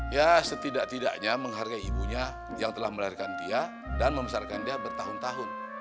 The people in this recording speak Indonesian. ya setidak tidaknya menghargai ibunya yang telah melahirkan dia dan membesarkan dia bertahun tahun